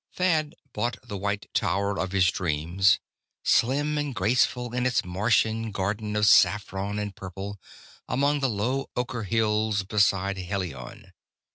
Thad bought the white tower of his dreams, slim and graceful in its Martian garden of saffron and purple, among the low ocher hills beside Helion.